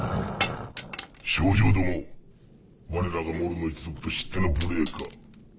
猩々ども我らがモロの一族と知っての無礼か？